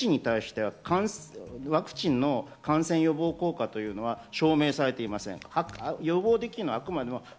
いずれにしてもワクチンに対して、ワクチンの感染予防効果というのは証明されていません。